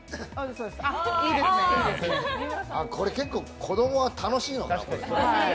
これ結構、子供は楽しいのかな。